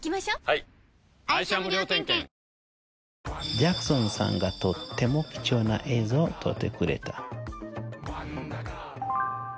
ジャクソンさんがとても貴重な映像を撮ってくれた。